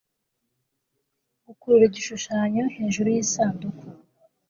Gukurura igishushanyo hejuru yisanduku